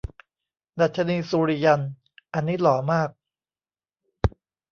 ดรรชนีสุริยัน อันนี้หล่อมาก